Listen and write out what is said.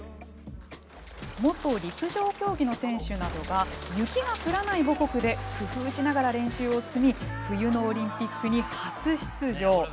元陸上競技の選手などが雪が降らない母国で工夫しながら練習を積み冬のオリンピックに初出場。